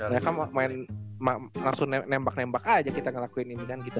ya kan main langsung nembak nembak aja kita ngelakuin ini kan gitu